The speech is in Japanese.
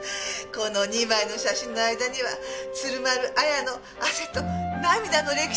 この２枚の写真の間には鶴丸あやの汗と涙の歴史があるのよ。